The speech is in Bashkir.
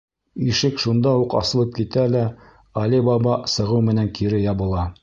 Ишек шунда уҡ асылып китә лә Али Баба сығыу менән кире ябыла.